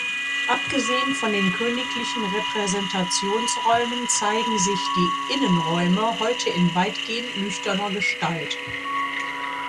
Abgesehen von den königlichen Repräsentationsräumen zeigen sich die Innenräume heute in weitgehend nüchterner Gestalt.